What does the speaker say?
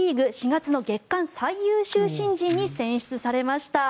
４月の月間最優秀新人に選出されました。